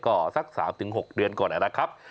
ก็สัก๓๖เดือนก่อนนะครับ